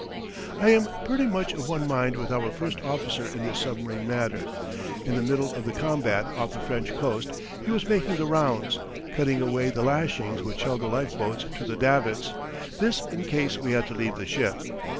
I am pretty much of one mind with our first officer in this submarine matter. In the middle of the combat off the French coast he was making the rounds, cutting away the lashings which held the life boats to the davits this in case we had to leave the ship.